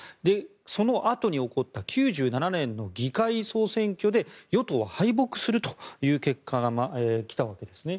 そのあとに起こった９７年の議会総選挙で与党は敗北するという結果が来たわけですね。